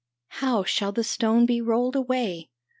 " How shall the stone be rolled away